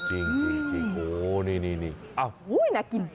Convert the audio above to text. จริงโอ้โฮนี่นี่อ้าวโอ้โฮน่ากิน